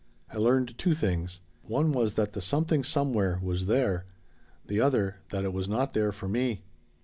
I learned two things. One was that the Something Somewhere was there. The other that it was not there for me.